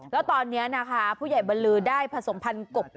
แล้วตอนนี้นะคะผู้ใหญ่บรรลือได้ผสมพันธ์กบ